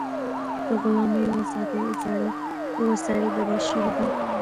د غلامۍ او ازادۍ زاړه وسایل بدل شوي دي.